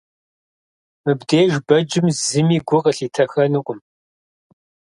Мыбдеж бэджым зыми гу къылъитэхэнукъым.